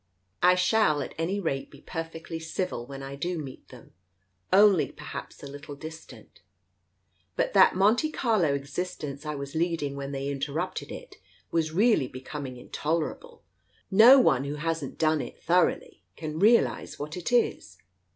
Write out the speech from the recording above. I shall at any rate be per fectly civil when I do meet them — only perhaps a little distant. But that Monte Carlo existence I was leading when they interrupted it, was really becoming intoler able ! No one who hasn't done it, thoroughly can realize what it is.